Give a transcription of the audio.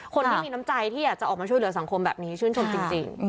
คนที่มีน้ำใจที่อยากจะออกมาช่วยเหลือสังคมแบบนี้ชื่นชมจริง